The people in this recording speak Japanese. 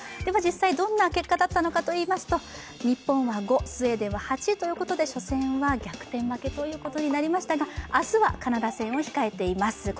実際どんな結果だったのかといいますと、日本は５、スウェーデンは８ということで初戦は逆転負けということになりましたが、明日はカナダ戦を控えています。